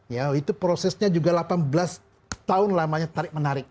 ya itu prosesnya juga delapan belas tahun lamanya tarik menarik